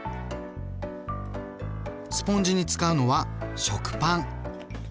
スポンジに使うのは食パン。